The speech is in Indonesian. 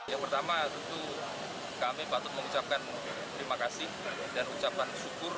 yang pertama tentu kami patut mengucapkan terima kasih dan ucapan syukur